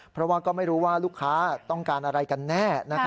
เพราะว่าก็ไม่รู้ว่าลูกค้าต้องการอะไรกันแน่